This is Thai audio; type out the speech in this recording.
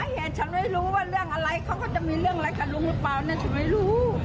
ฉันไม่รู้